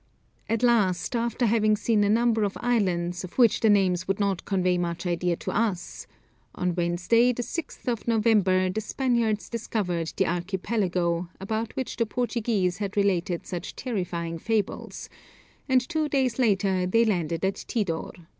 At last, after having seen a number of islands, of which the names would not convey much idea to us, on Wednesday, the 6th of November the Spaniards discovered the Archipelago, about which the Portuguese had related such terrifying fables, and two days later they landed at Tidor.